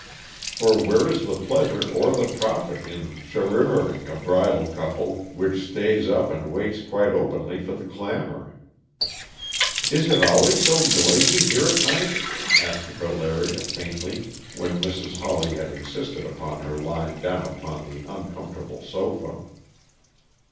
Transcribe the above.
For where is the pleasure or the profit in charivaring a bridal couple which stays up and waits quite openly for the clamor? "Is it always so noisy here at night?" asked Valeria faintly when Mrs. Hawley had insisted upon her lying down upon the uncomfortable sofa.